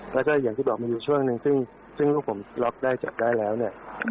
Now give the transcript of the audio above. แล้วก็อย่างที่บอกมีอยู่ช่วงหนึ่งซึ่งลูกผมล็อกได้จับได้แล้วเนี่ย